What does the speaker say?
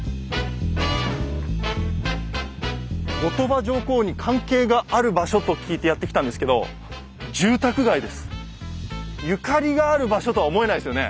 後鳥羽上皇に関係がある場所と聞いてやって来たんですけどゆかりがある場所とは思えないですよね。